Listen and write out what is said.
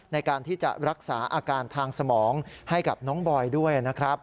ในการที่จะรักษาอาการทางสมองให้กับน้องบอยด้วยนะครับ